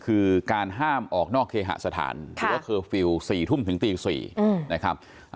คือการห้ามออกนอกเคหสถานหรือว่าเคอร์ฟิลล์๔ทุ่มถึงตี๔นะครับ